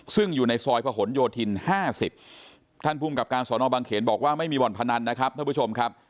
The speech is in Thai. ซึ่งอยู่ในซอยผนโยธิน๕๐ท่านภูมิกับการสอนอบังเขนบอกว่าไม่มีบ่อนพนันนะครับท่านผู้ชมครับ